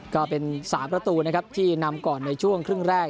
ก็เป็น๓ประตูนะครับที่นำก่อนในช่วงครึ่งแรก